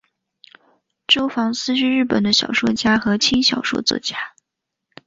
周防司是日本的小说家和轻小说作家。